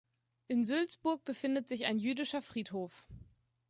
In Sulzbürg befindet sich ein Jüdischer Friedhof.